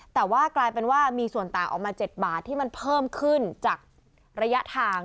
แต่ว่ากลายเป็นว่ามีส่วนต่างออกมา๗บาทที่มันเพิ่มขึ้นจากระยะทาง